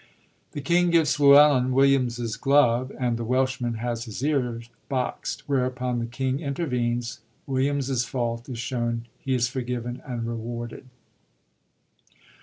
The king gives Fluellen Williams's glove, and the Welshman has his ear boxt ; whereupon the king intervenes, Williams's fault is shown, he is forgiven and rewarded.